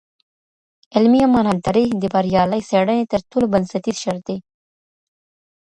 علمي امانتداري د بریالۍ څېړنې تر ټولو بنسټیز شرط دی.